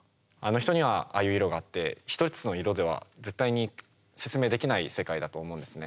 人にはああいう色があって一つの色では絶対に説明できない世界だと思うんですね。